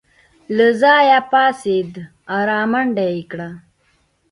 له ځايه پاڅېد رامنډه يې کړه.